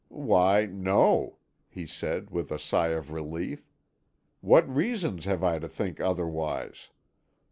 "Why, no," he said with a sigh of relief; "what reason have I to think otherwise?